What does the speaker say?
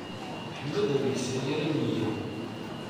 Ḥmed ur yesɛi ara nniya.